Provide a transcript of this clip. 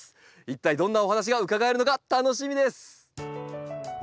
一体どんなお話が伺えるのか楽しみです。